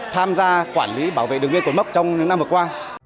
tham gia quản lý bảo vệ đường biên cột mốc trong những năm vừa qua